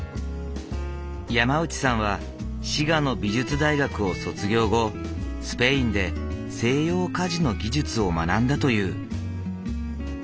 山内さんは滋賀の美術大学を卒業後スペインで西洋鍛冶の技術を学んだという。